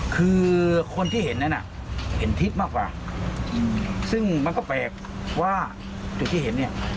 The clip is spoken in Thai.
คือคนที่เห็นนั้นน่ะเห็นทิศมากกว่าซึ่งมันก็แปลกว่าจุดที่เห็นเนี่ย